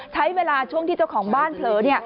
ใช้เวลาช่วงที่เจ้าของบ้านเผลอ